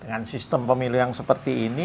dengan sistem pemilihan seperti ini